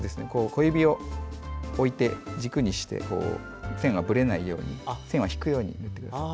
小指を置いて軸にして、線がぶれないように線を引くように塗ってください。